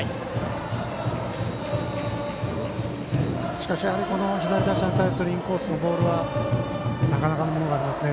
しかしやはり左打者に対するインコースのボールはなかなかのものがありますね。